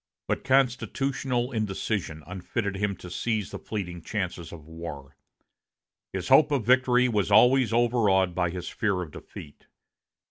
But constitutional indecision unfitted him to seize the fleeting chances of war. His hope of victory was always overawed by his fear of defeat.